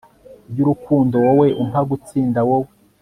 yurukundo wowe umpa gutsinda; wowe